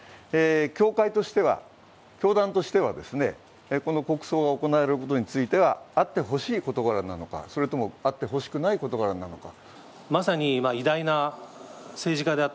教会としては、教団としては、国葬が行われることについて、あってほしい事柄なのか、それともあってほしくない事柄なのか。